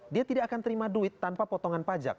dia tidak akan terima duit tanpa potongan pajak